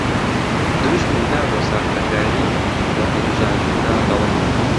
دروشمی نا بۆ ساختەکاری لە هەڵبژاردندا دەڵێنەوە